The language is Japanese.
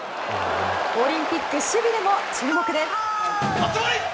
オリンピック守備でも注目です。